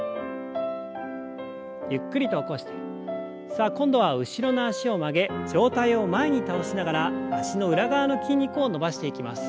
さあ今度は後ろの脚を曲げ上体を前に倒しながら脚の裏側の筋肉を伸ばしていきます。